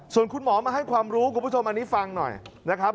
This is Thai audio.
ส่วนคุณหมอมาให้ความรู้คุณผู้ชมอันนี้ฟังหน่อยนะครับ